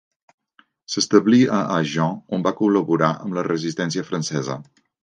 S'establí a Agen, on va col·laborar amb la Resistència francesa.